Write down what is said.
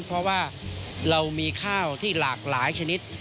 เพราะว่าเรามีข้าวที่หลากหลายชนิด